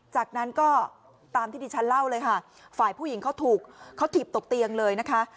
จากนั้นก็ตามที่ดิฉันเล่าเลยค่ะฝ่ายผู้หญิงเขาถูกเขาถีบตกเตียงเลยนะคะ